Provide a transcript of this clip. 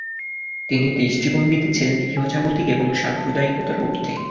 তিনি দৃষ্টিভঙ্গিতে ছিলেন ইহজাগতিক এবং সাম্প্রদায়িকতার উর্ধ্বে।